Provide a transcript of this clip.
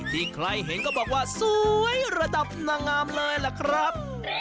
ที่ใครเห็นก็บอกว่าสวยระดับนางงามเลยล่ะครับ